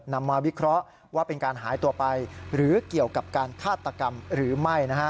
นำมาวิเคราะห์ว่าเป็นการหายตัวไปหรือเกี่ยวกับการฆาตกรรมหรือไม่